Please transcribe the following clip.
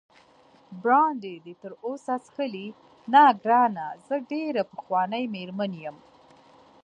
برانډي دې تراوسه څښلی؟ نه ګرانه، زه ډېره پخوانۍ مېرمن یم.